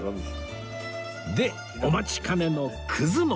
でお待ちかねのくず餅